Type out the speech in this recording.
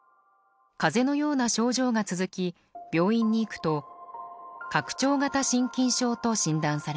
風邪のような症状が続き病院に行くと拡張型心筋症と診断されました。